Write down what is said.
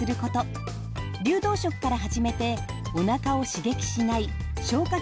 流動食から始めておなかを刺激しない消化